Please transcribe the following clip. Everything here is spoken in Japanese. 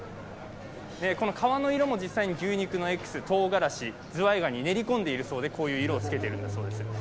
この皮の色も実際に牛肉のエキス、とうがらしズワイガニを練り込んでいるそうでこういう色を付けてるんだそうです。